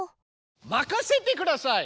任せてください！